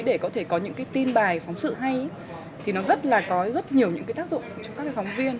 để có thể có những tin bài phóng sự hay thì nó rất là có rất nhiều những tác dụng cho các thầy phóng viên